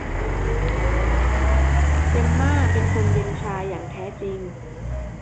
เจมม่าเป็นคนเย็นชาอย่างแท้จริง